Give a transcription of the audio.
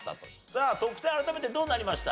さあ得点改めてどうなりました？